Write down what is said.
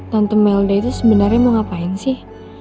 tante melda itu sebenarnya mau ngapain sih